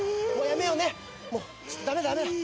もうやめようね。